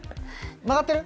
曲がってる？